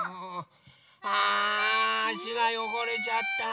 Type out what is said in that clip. ああしがよごれちゃった。